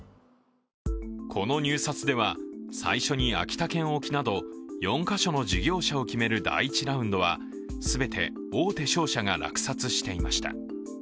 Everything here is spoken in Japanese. この入札では、最初に秋田県沖など、４か所の事業者を決める第１ラウンドは全て大手商社が落札していました。